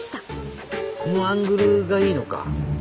このアングルがいいのか！